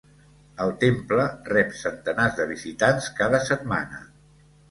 El temple rep centenars de visitants cada setmana.